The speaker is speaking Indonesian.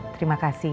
terima kasih ya